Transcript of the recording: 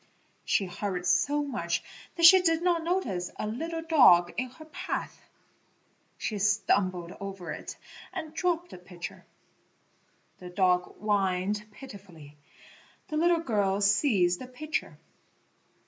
She hurried so much that she did not notice a little dog in her path; she stumbled over it and dropped the pitcher. The dog whined pitifully; the little girl seized the pitcher.